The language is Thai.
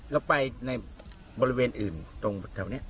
แล้วไปในบริเวณอื่นตรงแถวนี้